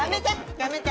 やめて・